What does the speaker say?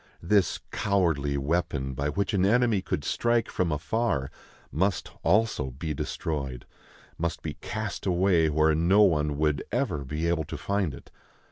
This cowardly weapon, by which an enemy could strike from afar, must also be destroyed, must be cast away where no one would ever be able to find it.